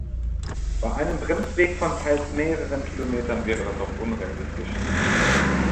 Bei einem Bremsweg von teils mehreren Kilometern wäre das auch unrealistisch.